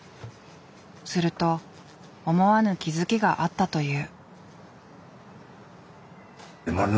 すると思わぬ気付きがあったという。